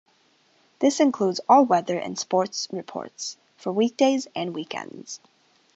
This includes all weather and sports reports for weekdays and weekends.